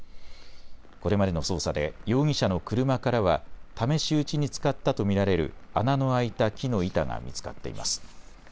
これまでの捜査で容疑者の車からは試し撃ちに使ったと見られる穴の開いた木の板が見つかっています。